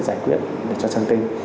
giải quyết cho sang tên